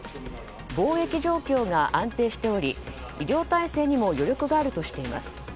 防疫状況が安定しており医療体制にも余力があるとしています。